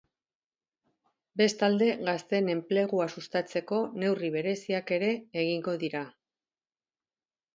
Bestalde, gazteen enplegua sustatzeko neurri bereziak ere egingo dira.